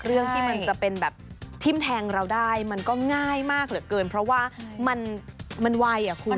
เรื่องที่มันจะเป็นแบบทิ้มแทงเราได้มันก็ง่ายมากเหลือเกินเพราะว่ามันไวอ่ะคุณ